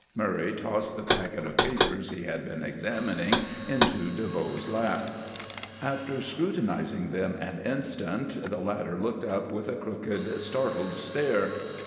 Murray tossed the packet of papers he had been examining into DeVoe's lap. After scrutinizing them an instant, the latter looked up with a crooked, startled stare.